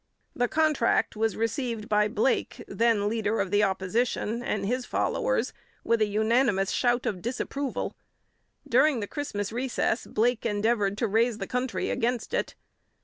The contract was received by Blake, then leader of the Opposition, and his followers with a unanimous shout of disapproval. During the Christmas recess Blake endeavoured to raise the country against it.